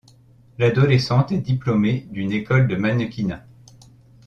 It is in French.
L'adolescente est diplômée d'une école de mannequinat.